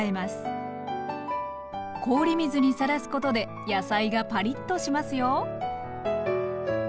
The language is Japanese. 氷水にさらすことで野菜がパリッとしますよ。